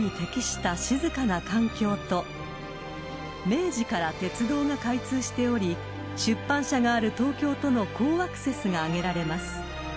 ［明治から鉄道が開通しており出版社がある東京との好アクセスが挙げられます］